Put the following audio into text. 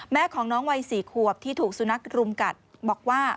แม่ของน้องวัย๔ขวบที่ถูกสุนัขรุมกัดบอกว่า